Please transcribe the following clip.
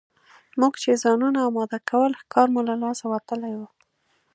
موږ چې ځانونه اماده کول ښکار مو له لاسه وتلی وو.